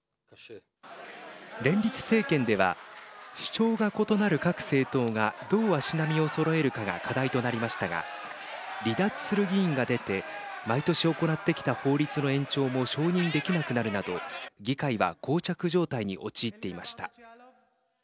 連立政権では主張が異なる各政党がどう足並みをそろえるかが課題となりましたが離脱する議員が出て毎年行ってきた法律の延長も承認できなくなるなど議会はこう着状態に陥っていました。